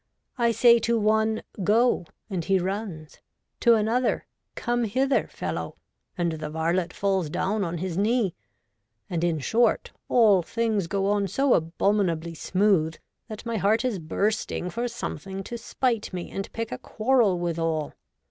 I say to one, " Go," and he runs ; to another, " Come hither, fellow," and the varlet falls down on his knee ; and, in short, all things go on so abominably smooth that my heart is bursting for something to spite me, and pick a quarrel withal.'